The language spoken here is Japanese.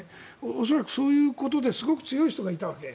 恐らく、そういうことで強い人がいたわけ。